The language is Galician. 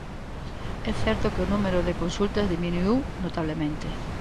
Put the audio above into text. É certo que o número de consultas diminuíu notablemente.